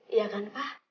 iya kan pak